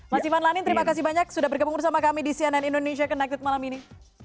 mas ivan lanin terima kasih banyak sudah bergabung bersama kami di cnn indonesia connected malam ini